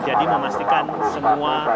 jadi memastikan semua